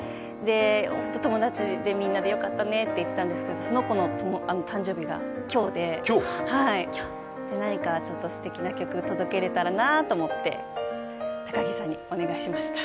友達とみんなでよかったねって言ってたんですけどその子の誕生日が今日で何かすてきな曲、届けれたらなと思って高木さんにお願いしました。